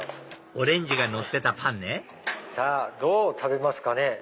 オレンジがのってたパンねどう食べますかね。